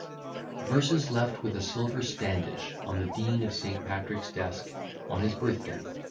_] VERSES LEFT WITH A SILVER STANDISH ON THE DEAN OF ST. PATRICK'S DESK, ON HIS BIRTH DAY.